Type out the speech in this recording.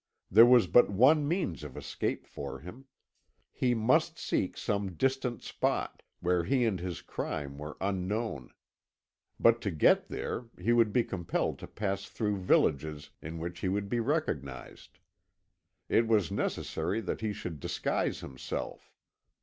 There was but one means of escape for him. He must seek some distant spot, where he and his crime were unknown. But to get there he would be compelled to pass through villages in which he would be recognised. It was necessary that he should disguise himself.